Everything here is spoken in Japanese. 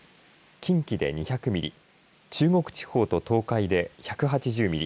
近畿で２００ミリ中国地方と東海で１８０ミリ